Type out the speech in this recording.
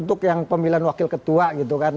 untuk yang pemilihan wakil ketua gitu kan